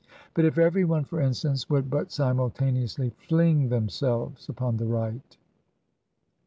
But if everyone, for instance, would but simultaneously fling themselves upon the right